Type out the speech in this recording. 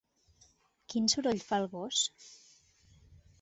Quin soroll fa el gos?